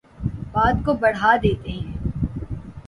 بات کو بڑھا دیتے ہیں